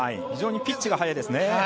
非常にピッチが早いですね。